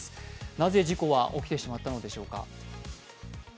なぜ事故は起きてしまったのでしょうか？